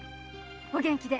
お元気で。